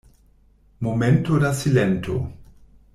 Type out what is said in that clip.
Momento da silento.